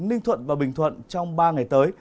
ninh thuận và bình thuận trong ba ngày tới